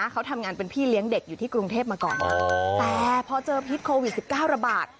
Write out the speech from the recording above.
เขาทำงานเป็นพี่เลี้ยงเด็กอยู่ที่กรุงเทพมาก่อนแต่พอเจอพิษโควิด๑๙ระบาด